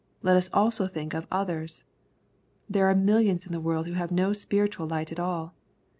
Let us also think of others. There are millions in the world who have no spiritual light at all.